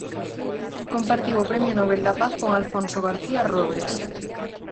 Compartiu o Premio Nobel da Paz con Alfonso García Robles.